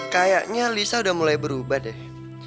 kayaknya lisa udah mulai berubah deh